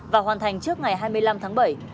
và hoàn thành trước ngày hai mươi năm tháng bảy